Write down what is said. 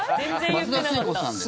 松田聖子さんです。